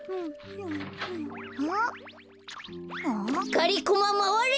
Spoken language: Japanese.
がりコマまわれ！